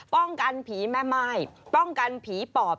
ป้องกันผีแม่ไม่ป้องกันผีปอบ